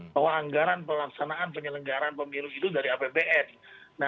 bahwa anggaran pelaksanaan penyelenggaran pemilu itu dari apbn